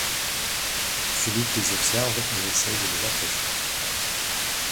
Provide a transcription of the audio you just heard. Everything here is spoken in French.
Philippe les observe et essaye de les approcher.